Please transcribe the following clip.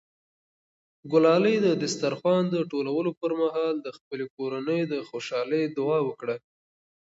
ګلالۍ د دسترخوان د ټولولو پر مهال د خپلې کورنۍ د خوشحالۍ دعا وکړه.